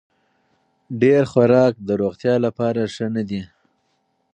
ډېر خوراک د روغتیا لپاره ښه نه دی.